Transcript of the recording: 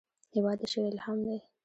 هېواد د شعر الهام دی.